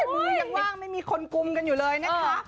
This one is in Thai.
มือยังว่างไม่มีคนกุมกันอยู่เลยนะคะ